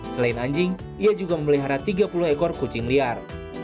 selain anjing ia juga memelihara tiga puluh ekor kucing liar